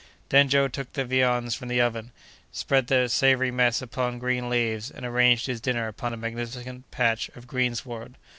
Then Joe took the viands from the oven, spread the savory mess upon green leaves, and arranged his dinner upon a magnificent patch of greensward.